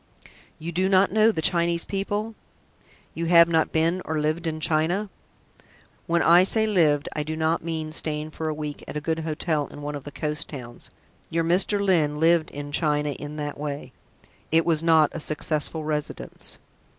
"You do not know the Chinese people? You have not been or lived in China? When I say lived I do not mean staying for a week at a good hotel in one of the coast towns. Your Mr. Lyne lived in China in that way. It was not a successful residence."